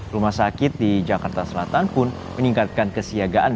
rumah sakit di jakarta selatan pun meningkatkan kesiagaan